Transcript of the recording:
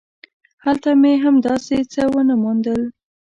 هلته مې هم داسې څه ونه موندل.